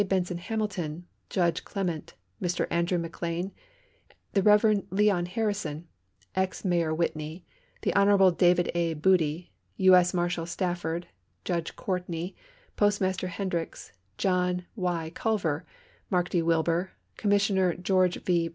Benson Hamilton, Judge Clement, Mr. Andrew McLean, the Rev. Leon Harrison, ex Mayor Whitney, the Hon. David A. Boody, U.S. Marshal Stafford, Judge Courtney, Postmaster Hendrix, John Y. Culver, Mark D. Wilber, Commissioner George V.